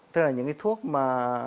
tức là những cái thuốc mà